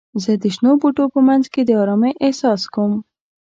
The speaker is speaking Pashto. زه د شنو بوټو په منځ کې د آرامۍ احساس کوم.